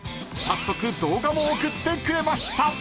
早速動画も送ってくれました］